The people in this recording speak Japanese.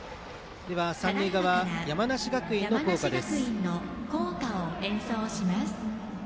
では三塁側、山梨学院の校歌です。